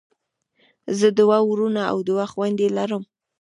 زه دوه وروڼه او دوه خویندی لرم.